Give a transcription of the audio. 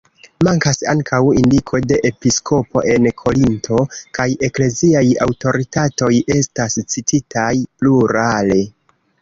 Mankas ankaŭ indiko de episkopo en Korinto, kaj ekleziaj aŭtoritatoj estas cititaj plurale.